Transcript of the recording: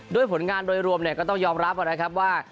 ด้วยผลงานโดยรวมก็ต้องยอมรับว่า